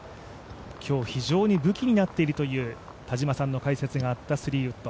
今日、非常に武器になっているという田島さんの解説があったスリーウッド。